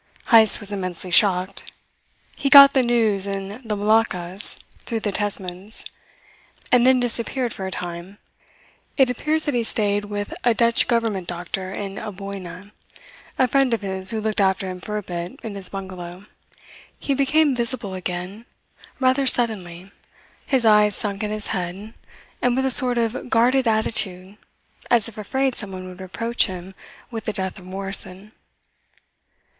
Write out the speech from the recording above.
Heyst was immensely shocked. He got the news in the Moluccas through the Tesmans, and then disappeared for a time. It appears that he stayed with a Dutch government doctor in Amboyna, a friend of his who looked after him for a bit in his bungalow. He became visible again rather suddenly, his eyes sunk in his head, and with a sort of guarded attitude, as if afraid someone would reproach him with the death of Morrison.